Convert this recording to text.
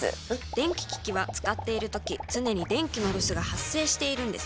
電気機器は使っているとき常に電気のロスが発生しているのです。